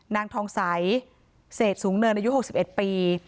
นางทองใสเสร็จศุกร์เนินอายุ๖๑ปี